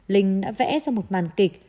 linh đã vẽ ra một màn kịch